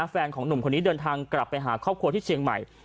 แฟนของหนุ่มคนนี้เดินทางกลับไปหาครอบครัวที่เชียงใหม่